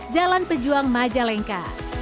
jalan pejuang majalengka